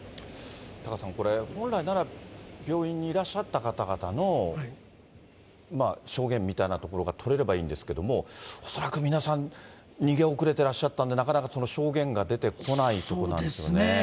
タカさん、本来なら病院にいらっしゃった方々の証言みたいなところが取れればいいんですけれども、恐らく皆さん、逃げ遅れてらっしゃったんで、なかなかその証言が出てこないとこそうですね。